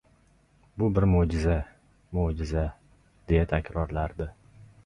Bu bir moʻjiza, moʻjiza! deya takrorlardi